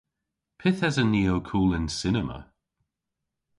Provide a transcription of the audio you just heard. Pyth esen ni ow kul y'n cinema?